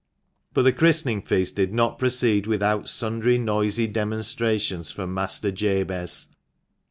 But the christening feast did not proceed without sundry noisy demonstrations from Master Jabez.